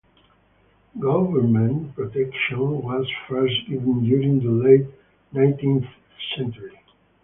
Government protection was first given during the late nineteenth century.